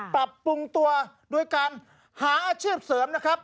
ปรับปรุงตัวโดยการหาอาชีพเสริมนะครับ